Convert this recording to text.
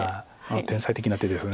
天才的な手です。